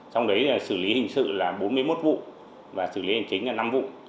trong đấy xử lý hình sự là bốn mươi một vụ và xử lý hình chính là năm vụ